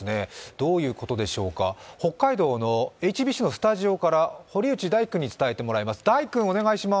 どういうことでしょうか、北海道のＨＢＣのスタジオから堀内大輝君に伝えてもらいます。